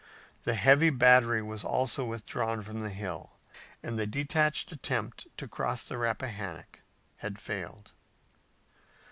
The heavy battery was also withdrawn from the hill and the detached attempt to cross the Rappahannock had failed.